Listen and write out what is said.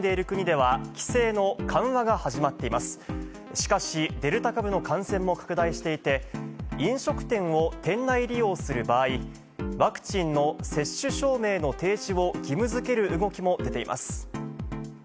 しかし、デルタ株の感染も拡大していて、飲食店を店内利用する場合、ワクチンの接種証明の提示を義務づける動きも出ています。